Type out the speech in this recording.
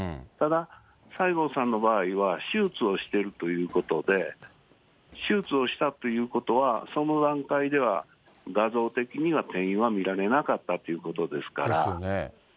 ただ、西郷さんの場合は、手術をしているということで、手術をしたということは、その段階では画像的には転移は見られなかったということですから。